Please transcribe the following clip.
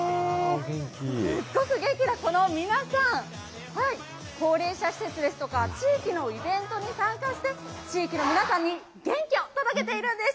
すっごく元気なこの皆さん、高齢者施設ですとか、地域のイベントに参加して、地域に皆さんに元気を届けているんです。